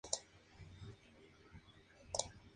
La titular de dicha escuela es santa Zita de Lucca.